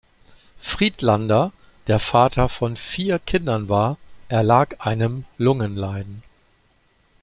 Friedlander, der Vater von vier Kindern war, erlag einem Lungenleiden.